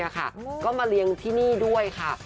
ก็มาเลี้ยงที่นี่ด้วยค่ะ